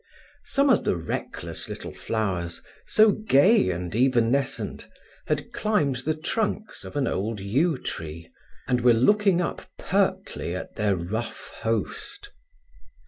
Some of the reckless little flowers, so gay and evanescent, had climbed the trunks of an old yew tree, and were looking up pertly at their rough host.